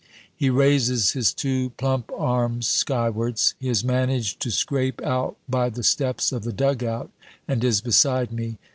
He raises his two plump arms skywards. He has managed to scrape out by the steps of the dug out and is beside me.